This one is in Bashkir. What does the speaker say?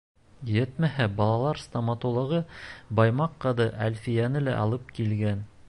Етмәһә, балалар стоматологы, Баймаҡ ҡыҙы Әлфиәне лә алып килгән.